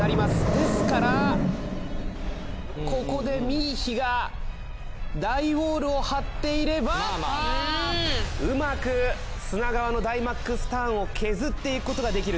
ですからここでミイヒがダイウォうまく砂川のダイマックスターンを削っていくことができると。